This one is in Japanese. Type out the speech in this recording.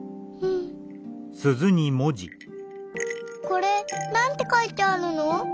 これ何て書いてあるの？